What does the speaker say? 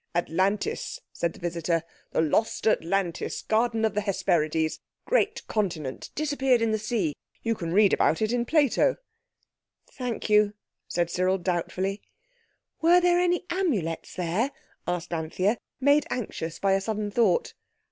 "Atlantis," said the visitor, "the lost Atlantis, garden of the Hesperides. Great continent—disappeared in the sea. You can read about it in Plato." "Thank you," said Cyril doubtfully. "Were there any Amulets there?" asked Anthea, made anxious by a sudden thought.